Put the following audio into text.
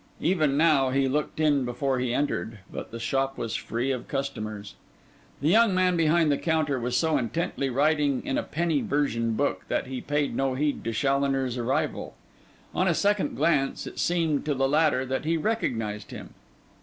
Even now, he looked in before he entered; but the shop was free of customers. The young man behind the counter was so intently writing in a penny version book, that he paid no heed to Challoner's arrival. On a second glance, it seemed to the latter that he recognised him.